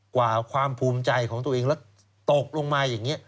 ความภูมิใจของตัวเองแล้วตกลงมาอย่างนี้